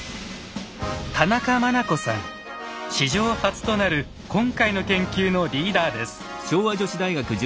史上初となる今回の研究のリーダーです。